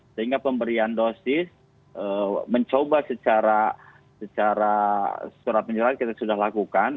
sehingga pemberian dosis mencoba secara surat penjelasan kita sudah lakukan